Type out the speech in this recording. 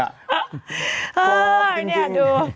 พอดีจริง